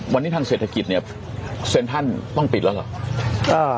วันนี้ทางเศรษฐกิจเนี่ยเซ็นทรัลต้องปิดแล้วเหรอ